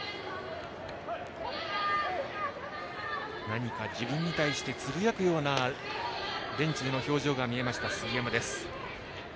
何か自分に対してつぶやくようなベンチでの表情が見えました杉山。